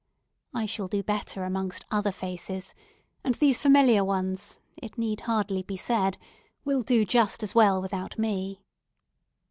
I shall do better amongst other faces; and these familiar ones, it need hardly be said, will do just as well without me.